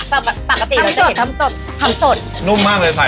ก่อนปรับปกติทำเจอดทำเจอดทำเจอดทำเจอดนุ่มมากเลยใส่